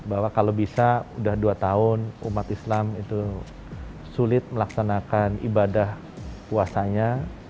bahwa kalau bisa sudah dua tahun umat islam itu sulit melaksanakan ibadah puasanya